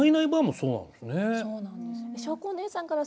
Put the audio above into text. そうなんです。